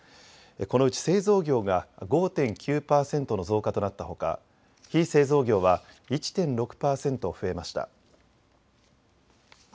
このうち製造業が５．９％の増加となったほか、非製造業は１．６％増えました。